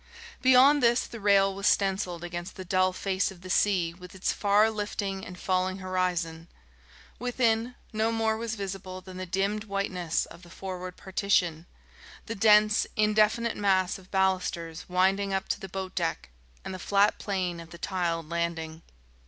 Beyond this the rail was stencilled against the dull face of the sea with its far lifting and falling horizon; within, no more was visible than the dimmed whiteness of the forward partition, the dense, indefinite mass of balusters winding up to the boat deck, and the flat plane of the tiled landing.